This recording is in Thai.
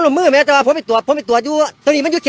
เดดบาลลงไปด้วยของอร่วมมื้อ